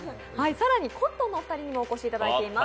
更にコットンのお二人にもお越しいただいております。